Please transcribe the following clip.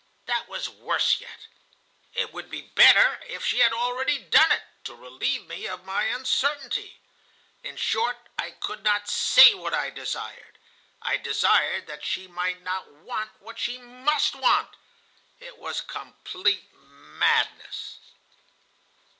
That was worse yet. It would be better if she had already done it, to relieve me of my uncertainty. "In short, I could not say what I desired. I desired that she might not want what she must want. It was complete madness."